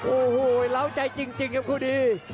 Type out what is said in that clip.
โอ้โหเล้าใจจริงครับมามิรับาครู้ดี